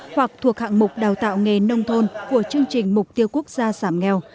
hoặc thuộc hạng mục đào tạo nghề nông thôn của chương trình mục tiêu quốc gia giảm nghèo